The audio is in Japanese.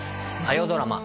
火曜ドラマ